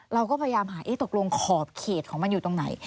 เราก็พยายามหาตกลงขอบเขตของมันอยู่ตรงไหน